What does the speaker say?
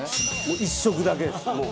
１食だけですもう。